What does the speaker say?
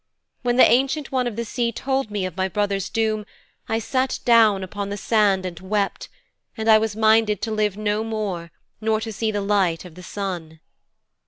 When the Ancient One of the Sea told me of my brother's doom I sat down upon the sand and wept, and I was minded to live no more nor to see the light of the sun.'